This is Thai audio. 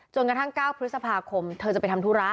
กระทั่ง๙พฤษภาคมเธอจะไปทำธุระ